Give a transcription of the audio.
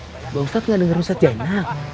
udah ustadz gak denger ustadz ya enak